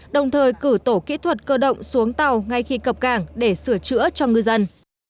đồng thời cử tổ kỹ thuật cơ động xuống tàu ngay khi cập cảng để sửa chữa cho ngư dân